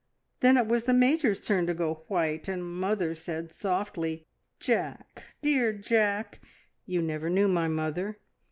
Then it was the Major's turn to go white, and mother said softly, `Jack dear Jack!' You never knew my mother.